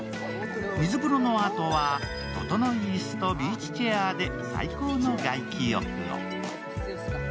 水風呂のあとはととのい椅子とビーチチェアで最高の外気浴を。